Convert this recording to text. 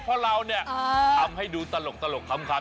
เพราะเรานี่ทำให้ดูตลกคำเท่านั้นเอง